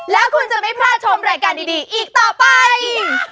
แล้วคุณจะไม่พลาดชมรายการดีอีกต่อไป